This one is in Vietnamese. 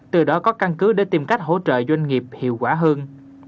từ đó có căn cứ để tìm cách hỗ trợ doanh nghiệp hiệu quả hơn